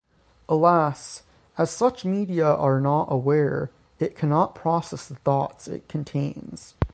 Alas, as such media are not aware, it cannot process the thoughts it contains.